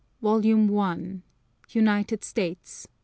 VOLUME I. UNITED STATES.